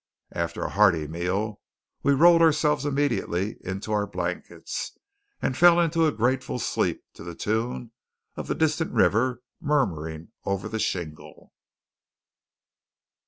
After a hearty meal, we rolled ourselves immediately into our blankets and fell into a grateful sleep to the tune of the distant river murmuring over the shingle.